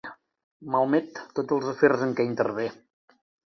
Malmet tots els afers en què intervé.